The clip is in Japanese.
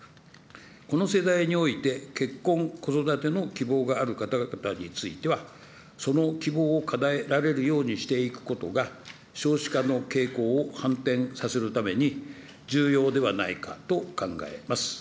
この世代において結婚、子育ての希望がある方々については、その希望をかなえられるようにしていくことが、少子化の傾向を反転させるために、重要ではないかと考えます。